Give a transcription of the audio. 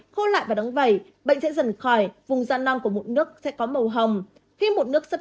khô lại và đóng vẩy bệnh sẽ dần khỏi vùng da non của mụn nước sẽ có màu hồng khi mụn nước xuất